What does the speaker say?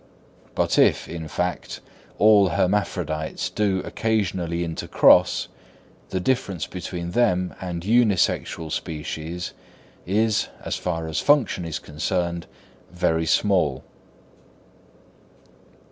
But if, in fact, all hermaphrodites do occasionally intercross, the difference between them and unisexual species is, as far as function is concerned, very small.